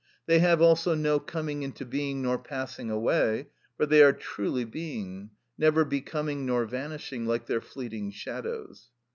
They have also no coming into being nor passing away, for they are truly being, never becoming nor vanishing, like their fleeting shadows.